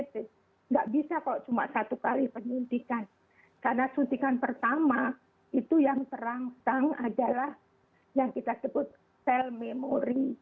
yang kedua untuk vaksin inactivated tidak bisa kalau cuma satu kali penyuntikan karena suntikan pertama itu yang terangsang adalah yang kita sebut cell memory